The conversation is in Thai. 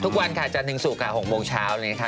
ทุกวันจันทร์ถึงสุก๖โมงเช้า